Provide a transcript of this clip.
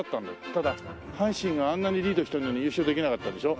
ただ阪神があんなにリードしてるのに優勝できなかったでしょ。